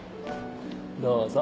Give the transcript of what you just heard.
どうぞ。